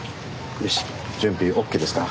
よし準備ＯＫですか？